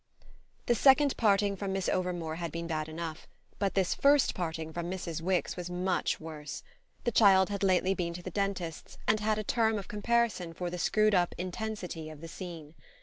V The second parting from Miss Overmore had been bad enough, but this first parting from Mrs. Wix was much worse. The child had lately been to the dentist's and had a term of comparison for the screwed up intensity of the scene.